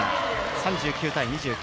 ３９対２９。